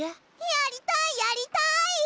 やりたいやりたい。